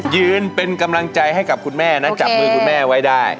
ยืนเป็นกำลังใจให้กับคุณแม่นะจับมือคุณแม่ไว้ได้